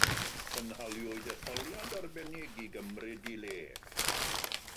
Cynhaliwyd etholiad arbennig i gymryd ei le.